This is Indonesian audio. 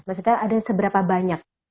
maksudnya ada seberapa banyak